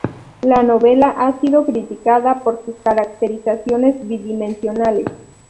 La novela ha sido criticada por sus caracterizaciones bidimensionales.